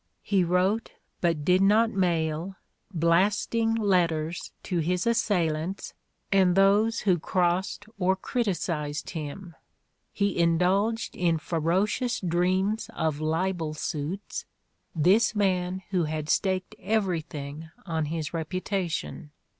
He wrote, but did not mail, "blasting" letters to hjs assailants and those who crossed or criticized him; he indulged in ferocious dreams of libel suits, this man who had staked every thing on his reputation